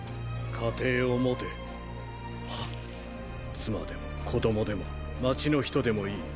妻でも子供でも街の人でもいい。